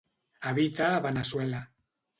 Habita a Veneçuela.